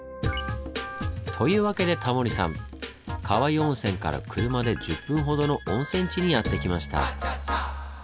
というわけでタモリさん川湯温泉から車で１０分ほどの温泉地にやって来ました。